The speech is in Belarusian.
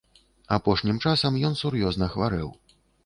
Апошнім часам ён сур'ёзна хварэў.